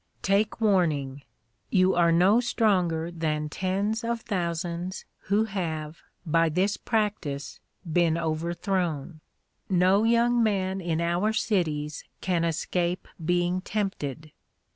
Take warning! You are no stronger than tens of thousands who have, by this practice, been overthrown. No young man in our cities can escape being tempted.